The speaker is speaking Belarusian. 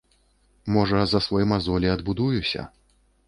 Можа, за свой мазоль і адбудуюся.